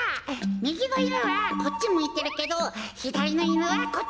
みぎのいぬはこっちむいてるけどひだりのいぬはこっちむいてる。